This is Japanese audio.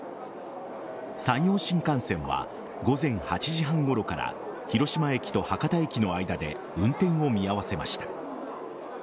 山陽新幹線は午前８時半ごろから広島駅と博多駅の間で運転を見合わせました。